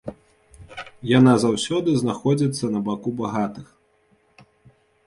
Яна заўсёды знаходзіцца на баку багатых.